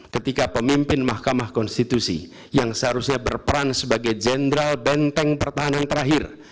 ketika pemimpin mahkamah konstitusi yang seharusnya berperan sebagai jenderal benteng pertahanan terakhir